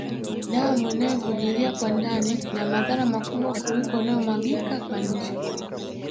Damu inayovujilia kwa ndani ina madhara makubwa kuliko inayomwagika kwa nje